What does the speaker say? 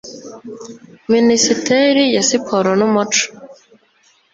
minisiteri ya siporo n umuco